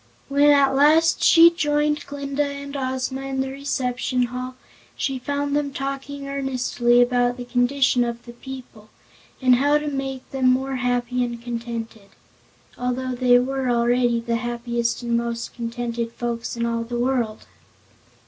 When at last she joined Glinda and Ozma in the reception hall, she found them talking earnestly about the condition of the people, and how to make them more happy and contented although they were already the happiest and most contented folks in all the world.